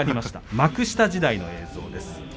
幕下時代の映像です。